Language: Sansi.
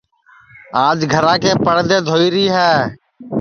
آج گھرا کے پڑدے دھوئیری ہے